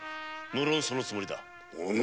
無論そのつもりだ。